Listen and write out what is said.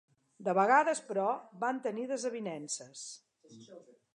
De vegades, però, van tenir desavinences.